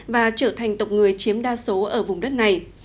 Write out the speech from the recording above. và trở thành tộc người chiếm đa số ở vùng đất này